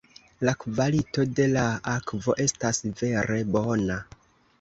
La kvalito de la akvo estas vere bona.